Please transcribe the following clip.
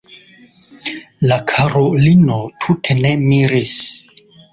La karulino tute ne miris.